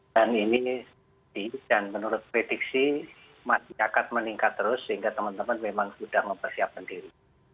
dan ini dan menurut prediksi masih akan meningkat terus sehingga teman teman memang sudah mempersiapkan diri